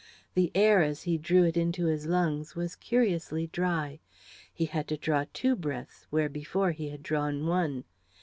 The air, as he drew it into his lungs, was curiously dry. He had to draw two breaths where before he had drawn one.